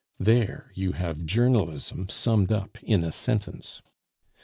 There you have journalism summed up in a sentence.